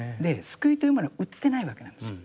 救いというものは売ってないわけなんですよ。